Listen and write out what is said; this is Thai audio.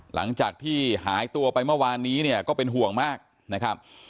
หลังจากที่หายตัวไปเมื่อวานนี้เนี่ยก็เป็นห่วงมากนะครับ